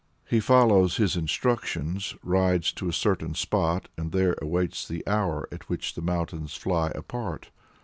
He follows his instructions, rides to a certain spot, and there awaits the hour at which the mountains fly apart.